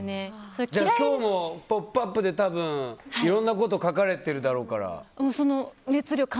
今日の「ポップＵＰ！」でたぶんいろんなこと書かれてるだろうから。